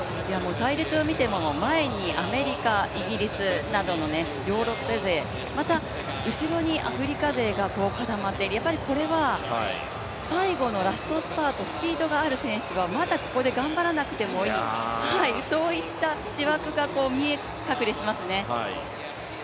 隊列を見ても、前にアメリカ、イギリスなどのヨーロッパ勢また後ろにアフリカ勢が固まってこれは最後のラストスパートスピードがある選手が、まだここで頑張らなくてもいいといった思惑が見え隠れしますね。